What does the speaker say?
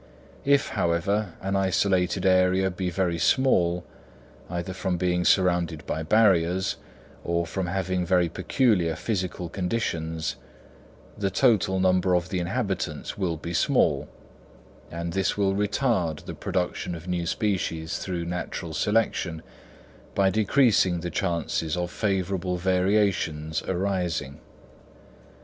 If, however, an isolated area be very small, either from being surrounded by barriers, or from having very peculiar physical conditions, the total number of the inhabitants will be small; and this will retard the production of new species through natural selection, by decreasing the chances of favourable variations arising.